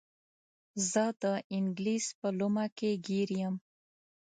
زه د انګلیس په لومه کې ګیر یم.